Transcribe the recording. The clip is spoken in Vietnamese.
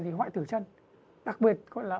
dịch hoại tử chân đặc biệt gọi là